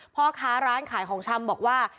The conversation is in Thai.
พ่อค้าร้านขายของชำบอกว่า